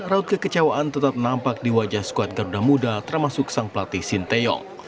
raut kekecewaan tetap nampak di wajah skuad garuda muda termasuk sang pelatih shin taeyong